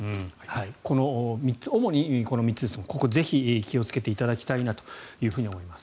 この主に３つですがここにぜひ気をつけていただきたいなと思います。